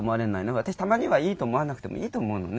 私たまにはいいと思わなくてもいいと思うのね。